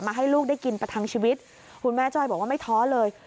ให้ลูกได้กินประทังชีวิตคุณแม่จ้อยบอกว่าไม่ท้อเลย